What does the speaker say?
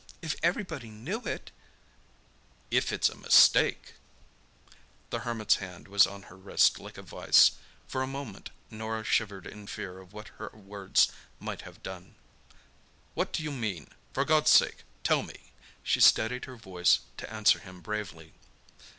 "If everybody knew it—?" "If it's a mistake!" The Hermit's hand was on her wrist like a vice. For a moment Norah shivered in fear of what her words might have done. "What do you mean? For God's sake, tell me?" She steadied her voice to answer him bravely.